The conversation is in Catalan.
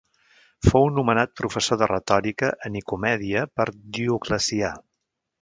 Fou nomenat professor de retòrica a Nicomèdia per Dioclecià.